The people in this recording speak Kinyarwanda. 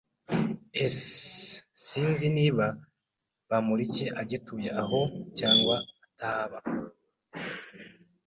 S Sinzi niba Bamoriki agituye hano cyangwa atabaho.